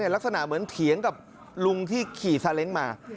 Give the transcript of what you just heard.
ลักษณะเหมือนเถียงกับลุงที่ขี่ซาเล้งมา